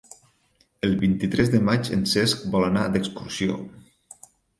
El vint-i-tres de maig en Cesc vol anar d'excursió.